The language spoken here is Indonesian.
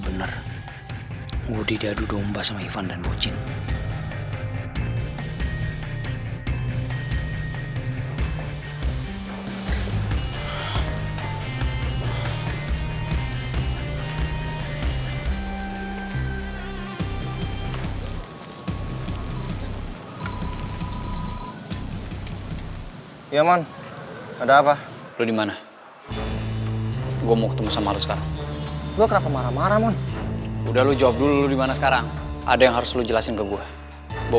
berarti jompa gue sudah tahu later apa yang future berikunya